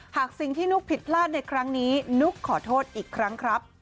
หากสิ่งที่นุ๊กผิดพลาดในครั้งนี้นุ๊กขอโทษอีกครั้งครับ